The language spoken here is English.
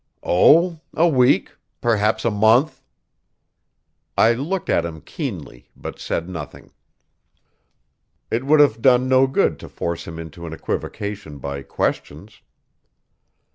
"Oh, a week perhaps a month." I looked at him keenly, but said nothing. It would have done no good to force him into an equivocation by questions.